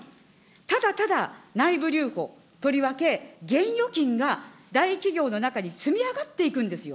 ただただ内部留保、とりわけ、現預金が大企業の中に積み上がっていくんですよ。